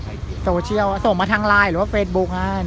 ก็ไปดูสิโซเชียลส่งมาทางไลน์หรือว่าเฟสบุ๊คส่งกันต่อ